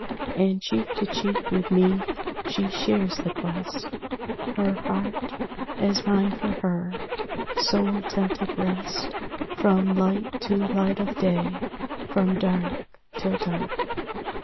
And cheek to cheek with me she shares the quest, Her heart, as mine for her, sole tented rest From light to light of day; from dark till Dark.